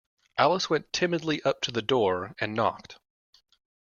Alice went timidly up to the door, and knocked.